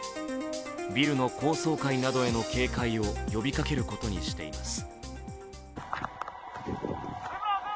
ビルの高層階などへの警戒を呼びかけることにしています。